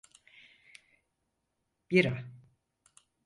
Bira.